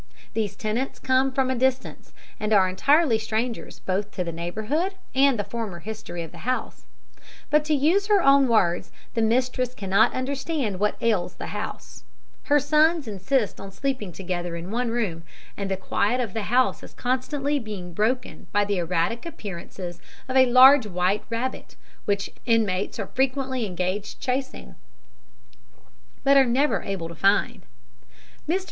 These tenants come from a distance, and are entirely strangers both to the neighbourhood and the former history of the house, but, to use her own words, the mistress 'cannot understand what ails the house,' her sons insist on sleeping together in one room, and the quiet of the house is constantly being broken by the erratic appearances of a large white rabbit, which the inmates are frequently engaged chasing, but are never able to find." Mr.